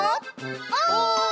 おい！